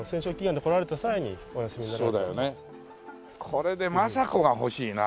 これで政子が欲しいな。